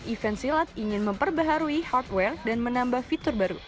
event silat ingin memperbaharui hardware dan menambah fitur baru